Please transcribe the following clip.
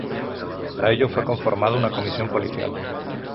Para ello fue conformada una comisión policial.